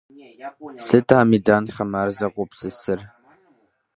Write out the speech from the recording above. Сыт а меданхэм ар зэгупсысыр?